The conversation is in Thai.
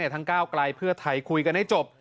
ทั้ง๙กลายเพื่อไทยคุยกันให้จบ